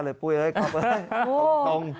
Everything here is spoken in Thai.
๕๗๙เลยปุ๊ยโครตรง